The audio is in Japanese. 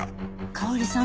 香織さん